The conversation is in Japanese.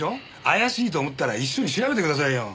怪しいと思ったら一緒に調べてくださいよ。